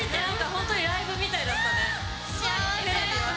本当にライブみたいだったね。